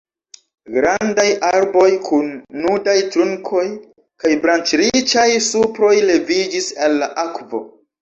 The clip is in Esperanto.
Grandaj arboj kun nudaj trunkoj kaj branĉriĉaj suproj leviĝis el la akvo.